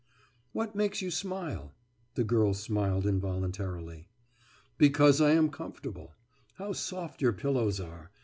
»What makes you smile?« The girl smiled involuntarily. »Because I am comfortable.... How soft your pillows are!